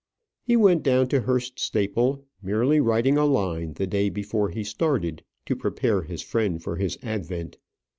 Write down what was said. He went down to Hurst Staple, merely writing a line the day before he started, to prepare his friend for his advent.